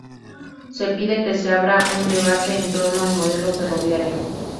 Se pide que se abra un debate en torno al modelo ferroviario